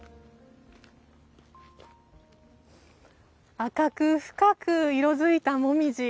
赤く深く色づいたモミジ。